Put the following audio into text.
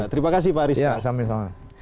terima kasih pak arista